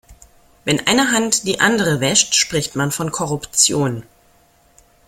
Wenn eine Hand die andere wäscht, spricht man von Korruption.